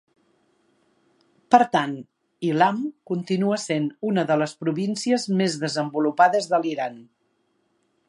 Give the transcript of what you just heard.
Per tant, Ilam continua sent una de les províncies més desenvolupades de l'Iran.